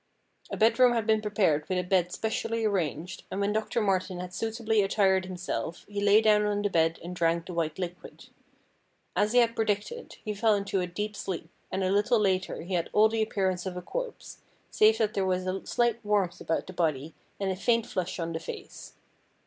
A bedroom had been prepared with a bed specially arranged, and when Doctor Martin had suitably attired himself he lay down on the bed and drank the white liquid. As he had predicted, he fell into a deep sleep, and a little later he had all the appearance of a corpse, save that there was a slight warmth about the body, and a faint flush on the face.